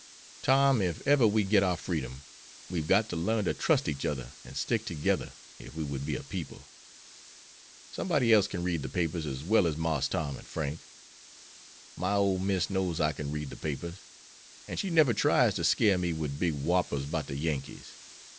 Tom, if ever we get our freedom, we've got to learn to trust each other and stick together if we would be a people. Somebody else can read the papers as well as Marse Tom and Frank. My ole Miss knows I can read the papers, an' she never tries to scare me with big whoppers 'bout the Yankees.